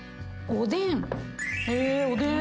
おでん。